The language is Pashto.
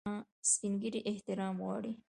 سپین ږیری احترام غواړي